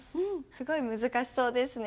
すごい難しそうですね。